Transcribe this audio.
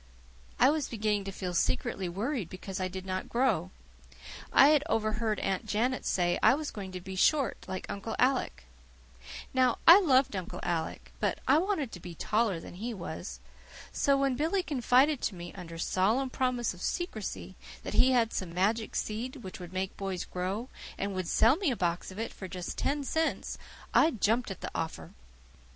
I was beginning to feel secretly worried because I did not grow. I had overheard Aunt Janet say I was going to be short, like Uncle Alec. Now, I loved Uncle Alec, but I wanted to be taller than he was. So when Billy confided to me, under solemn promise of secrecy, that he had some "magic seed," which would make boys grow, and would sell me a box of it for ten cents, I jumped at the offer.